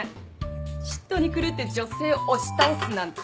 嫉妬に狂って女性押し倒すなんて。